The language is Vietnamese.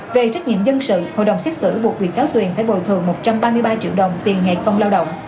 về trách nhiệm dân sự hội đồng xét xử buộc bị cáo tuyền phải bồi thường một trăm ba mươi ba triệu đồng tiền ngày công lao động